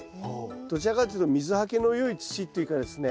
どちらかというと水はけの良い土というかですね